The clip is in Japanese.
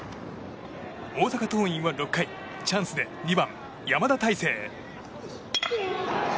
大阪桐蔭は６回チャンスで２番、山田太成。